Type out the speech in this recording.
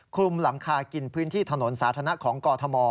คลุมหลังคากินพื้นที่ถนนสาธารณะของกอทม